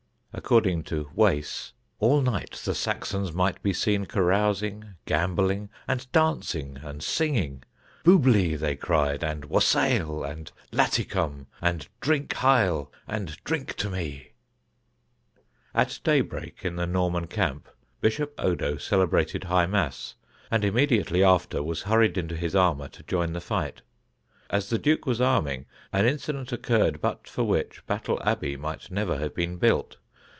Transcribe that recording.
According to Wace, "all night the Saxons might be seen carousing, gambolling, and dancing and singing: bublie they cried, and wassail, and laticome and drinkheil and drink to me!" [Illustration: Battle Abbey, the Gateway.] At daybreak in the Norman camp Bishop Odo celebrated High Mass, and immediately after was hurried into his armour to join the fight. As the Duke was arming an incident occurred but for which Battle Abbey might never have been built.